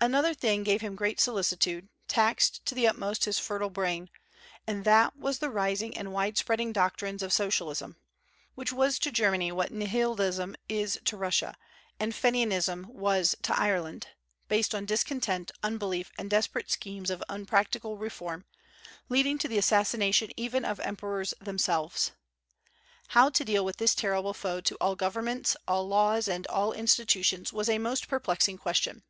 Another thing gave him great solicitude, taxed to the utmost his fertile brain; and that was the rising and wide spreading doctrines of Socialism, which was to Germany what Nihilism is to Russia and Fenianism was to Ireland; based on discontent, unbelief, and desperate schemes of unpractical reform, leading to the assassination even of emperors themselves. How to deal with this terrible foe to all governments, all laws, and all institutions was a most perplexing question.